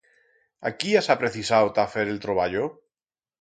A quí has aprecisau ta fer el troballo?